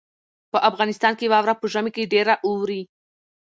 په افغانستان کې واوره په ژمي کې ډېره اوري.